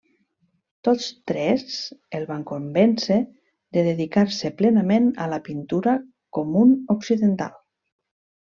Tots tres el van convèncer de dedicar-se plenament a la pintura com un occidental.